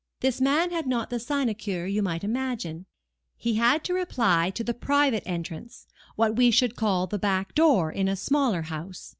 This man had not the sinecure you might imagine. He had to reply to the private entrance; what we should call the back door in a smaller house.